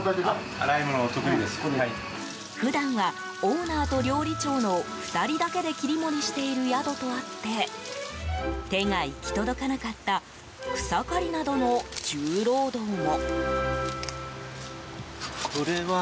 普段はオーナーと料理長の２人だけで切り盛りしている宿とあって手が行き届かなかった草刈りなどの重労働も。